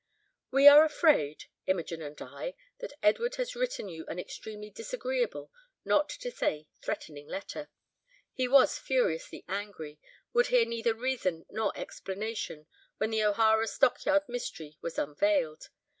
"We are afraid, Imogen and I, that Edward has written you an extremely disagreeable, not to say threatening letter. He was furiously angry, would hear neither reason nor explanation, when the O'Hara stockyard mystery was unveiled.